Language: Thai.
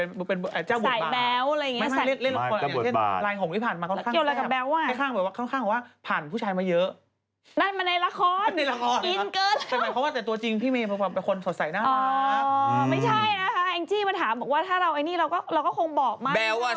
เออเห็นไหมแองจิไม่ใช่นะทุกคนเหมือนแบ๊วนะ